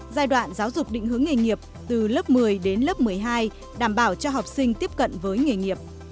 giai đoạn giáo dục định hướng nghề nghiệp từ lớp một mươi đến lớp một mươi hai đảm bảo cho học sinh tiếp cận với nghề nghiệp